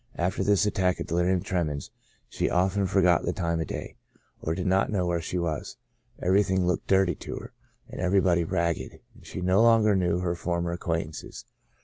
After this attack of delirium tremens, she often for got the time of the day, or did not know where she was ; everything looked dirty to her, and everybody ragged ; and she no longer knew her former acquaintances.